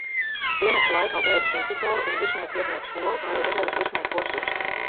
Dienesta laikā beidzis instruktoru un virsniekvietnieku skolu, kā arī rezerves virsnieku kursus.